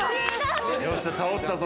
よっしゃ倒したぞ